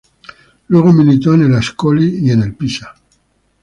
Luego militó en el Ascoli y Pisa.